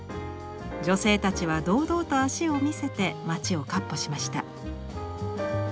女性たちは堂々と脚を見せて街をかっ歩しました。